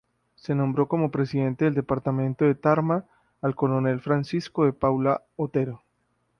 Se nombró como presidente del departamento de Tarma, al coronel Francisco de Paula Otero.